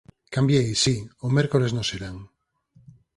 Cambiei, si, o mércores no serán…